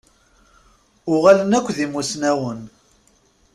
Uɣalen akk d imussnawen.